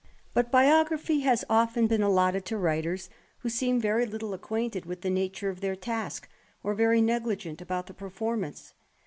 But biography has often been allotted to writers who seem very little acquainted with the nature of their task, or very negligent about the performance.